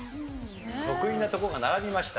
得意なとこが並びました。